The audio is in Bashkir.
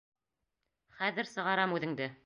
Хәҙер сығарам үҙеңде.